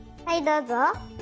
はいどうぞ。